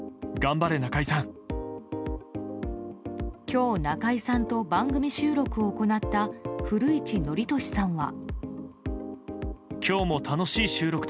今日、中居さんと番組収録を行った古市憲寿さんは。